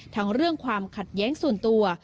ทั้งเรื่องความขัดแย้งส่วนตัว